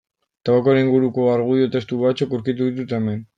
Tabakoaren inguruko argudio testu batzuk aurkitu ditut hemen.